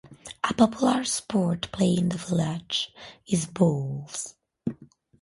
A popular sport played in the village is bowls.